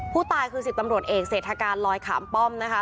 ผู้ตายคือ๑๐ตำรวจเอกเศรษฐการลอยขามป้อมนะคะ